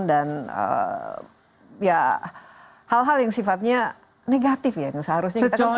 dan ya hal hal yang sifatnya negatif ya seharusnya kita sebagai